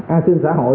an sinh xã hội